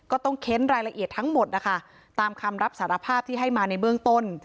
เค้นรายละเอียดทั้งหมดนะคะตามคำรับสารภาพที่ให้มาในเบื้องต้น